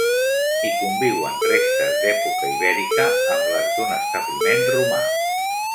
Hi conviuen restes d'època ibèrica amb les d'un establiment romà.